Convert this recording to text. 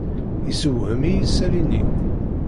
Yessewhem-iyi isali-nni.